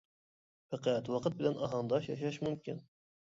پەقەت ۋاقىت بىلەن ئاھاڭداش ياشاش مۇمكىن.